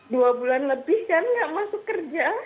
dua bulan lebih kan nggak masuk kerja